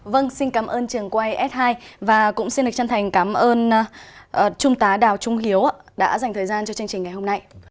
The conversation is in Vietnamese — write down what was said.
vâng xin cảm ơn trường quay s hai và cũng xin lịch chân thành cảm ơn trung tá đào trung hiếu đã dành thời gian cho chương trình ngày hôm nay